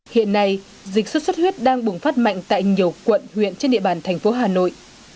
hiện nay dịch xuất xuất huyết đang bùng phát mạnh tại nhiều quận huyện trên địa bàn thành phố hà nội